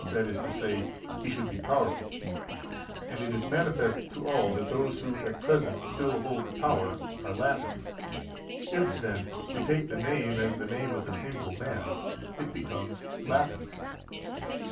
that is to say, he should be powerful; and it is manifest to all that those who at present still hold the power are Latins. If, then, we take the name as the name of a single man, it becomes Latinus.